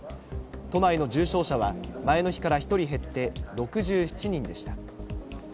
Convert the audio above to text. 都内の重症者は前の日から１人減って６７人でした。